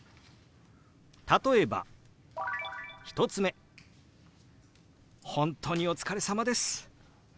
例えば１つ目「本当にお疲れさまです」。